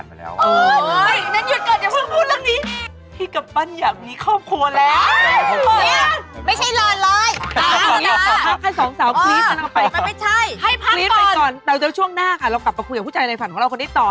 แบบไหนอะไรยังไง